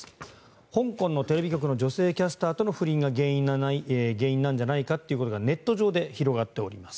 香港のテレビ局の女性キャスターとの不倫が原因なのではないかとネット上で広がっております。